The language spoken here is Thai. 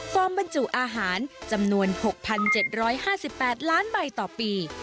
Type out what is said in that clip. บรรจุอาหารจำนวน๖๗๕๘ล้านใบต่อปี